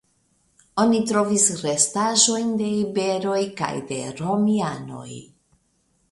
Oni trovis restaĵojn de iberoj kaj de romianoj.